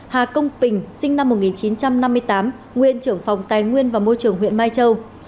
hà công bình sinh năm một nghìn chín trăm năm mươi tám nguyên trưởng phòng tài nguyên và môi trường huyện mai châu